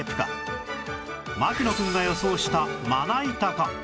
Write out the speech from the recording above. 槙野くんが予想したまな板か